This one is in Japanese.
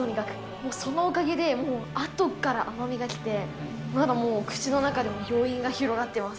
もうそのおかげでもう、あとから甘みが来て、まだ口の中でも余韻が広がってます。